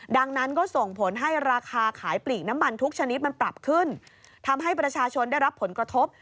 ดังนั้นก็ส่งผลให้ราคาขายปลีกน้ำมันทุกชนิดมันปรับขึ้นทำให้ประชาชนได้รับผลกระทบ